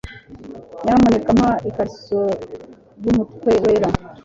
Nyamuneka mpa ikariso yumutwe wera.